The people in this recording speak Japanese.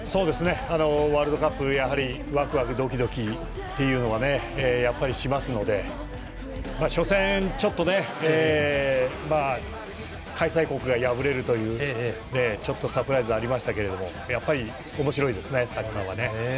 ワールドカップワクワクドキドキというのはやっぱり、しますので初戦、ちょっと開催国が敗れるというちょっとサプライズがありましたけどおもしろいですね、サッカーは。